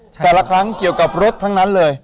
แต่ละครั้งเกี่ยวกับรถทั้งนั้นเลย